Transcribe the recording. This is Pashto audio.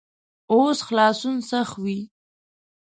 اوس خلاصون سخت وي.